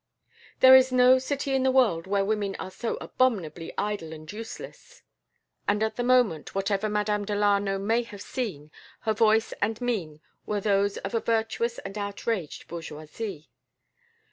"There is no city in the world where women are so abominably idle and useless!" And at the moment, whatever Madame Delano may have been, her voice and mien were those of a virtuous and outraged bourgeoisie.